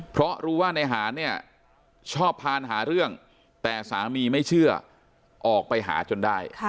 เพราะรู้ว่าในหารเนี่ยชอบพานหาเรื่องแต่สามีไม่เชื่อออกไปหาจนได้